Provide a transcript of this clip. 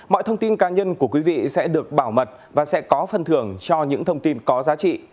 mọi thông tin cá nhân của quý vị sẽ được bảo mật và sẽ có phần thưởng cho những thông tin có giá trị